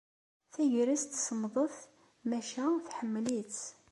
Tagrest semmḍet, maca tḥemmel-itt.